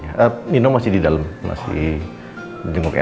wah ini masih di dalam sick